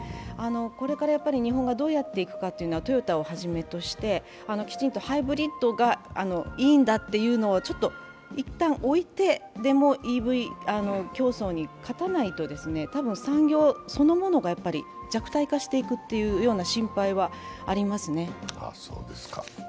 これから日本がどうやっていくかというのはトヨタを初めとしてきちんと、ハイブリッドがいいんだというのを一旦置いて、ＥＶ競争に勝たないと、多分産業そのものが弱体化していくような心配はありますね。